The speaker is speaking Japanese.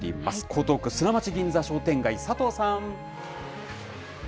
江東区砂町銀座商店街、佐藤さん。